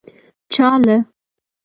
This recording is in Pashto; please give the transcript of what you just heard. چا له.